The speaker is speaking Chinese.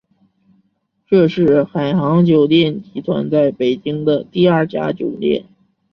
这是海航酒店集团在北京的第二家酒店。